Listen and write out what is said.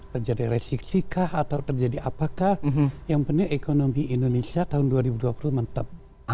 terjadi resiksi kah atau terjadi apakah yang penting ekonomi indonesia tahun dua ribu dua puluh mantap